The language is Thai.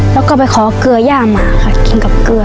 แล้วก็ไปขอเกลือย่ามาค่ะกินกับเกลือ